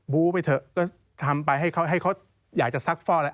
บู๊บไปเถอะก็ทำไปให้เขาอยากจะซักฟ่าอะไร